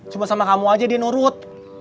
cuma sama kamu aja dia nurut